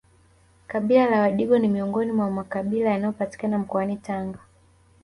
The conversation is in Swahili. Kabila la wadigo ni miongoni mwa makabila yanayopatikana mkoani Tanga